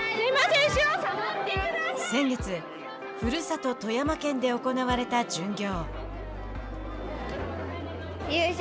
先月ふるさと富山県で行われた巡業。